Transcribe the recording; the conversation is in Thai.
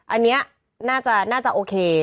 อันนี้น่าจะโอเค